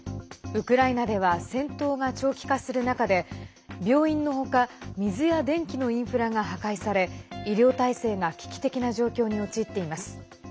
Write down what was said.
ウクライナでは戦闘が長期化する中で病院の他水や電気のインフラが破壊され医療体制が危機的な状況に陥っています。